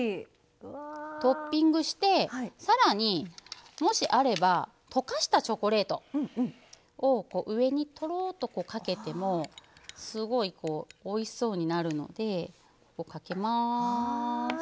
トッピングしてさらに、もし、あれば溶かしたチョコレートを上に、とろっとかけてもすごい、おいしそうになるのでかけます。